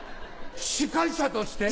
司会者として？